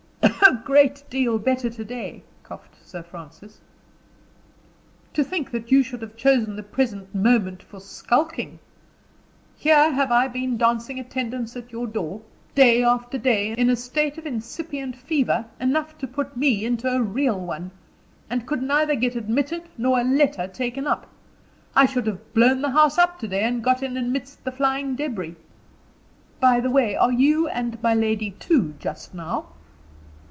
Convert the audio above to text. "A great deal better to day," coughed Sir Francis. "To think that you should have chosen the present moment for skulking! Here have I been dancing attendance at your door, day after day, in a state of incipient fever, enough to put me into a real one, and could neither get admitted nor a letter taken up. I should have blown the house up to day and got in amidst the flying debris. By the way, are you and my lady two just now?"